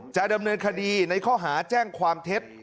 จะดำเนินคดีในข้อหาแจ้งความเท็จ